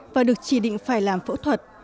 và được chỉ định phải làm phẫu thuật